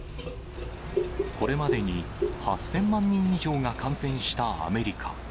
これまでに８０００万人以上が感染したアメリカ。